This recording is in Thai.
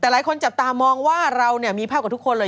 แต่หลายคนจับตามองว่าเราเนี่ยมีภาพกับทุกคนเลย